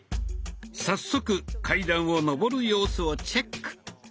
早速階段を上る様子をチェック。